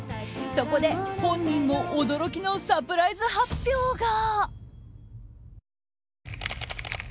そこで本人も驚きのサプライズ発表が。